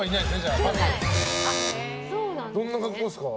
どんな格好ですか？